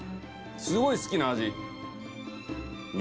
すごい好きな味。